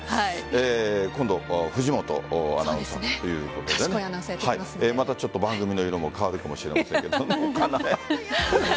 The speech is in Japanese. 今度藤本アナウンサーということでまたちょっと番組の色も変わるかもしれませんけどね。